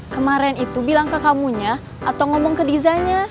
kemarin itu bilang ke kamunya atau ngomong ke desanya